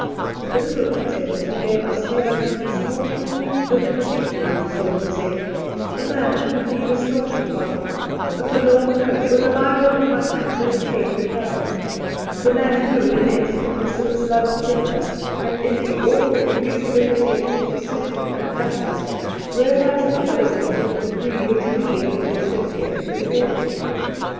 The little details he gave us made up an extraordinarily vivid picture of the soldier saint, the man who could lead a storming party, a forlorn hope, with a Bible in one hand and a cane in the other ; the man who, in the infiniteness of his love and tenderness, and iu the awful immutability of his decision and justice, realized qualities in a dp^ee which we only associate with the Deity.